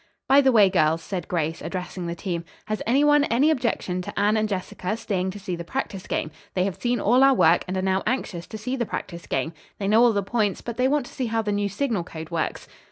"By the way, girls," said Grace, addressing the team, "has any one any objection to Anne and Jessica staying to see the practice game? They have seen all our work and are now anxious to see the practice game. They know all the points, but they want to see how the new signal code works."